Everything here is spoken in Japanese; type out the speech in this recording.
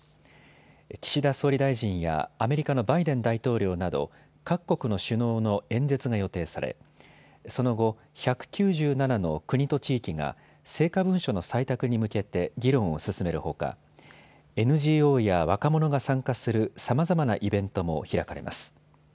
岸田総理大臣やアメリカのバイデン大統領など各国の首脳の演説が予定されその後、１９７の国と地域が成果文書の採択に向けて議論を進めるほかＮＧＯや若者が参加するさまざまなイベントも開かれます。